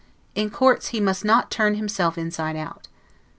In courts he must not turn himself inside out.